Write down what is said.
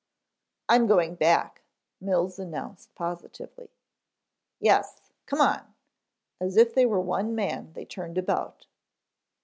"I'm going back," Mills announced positively. "Yes, come on." As if they were one man they turned about.